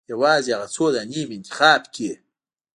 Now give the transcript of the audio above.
یوازې هغه څو دانې مې انتخاب کړې.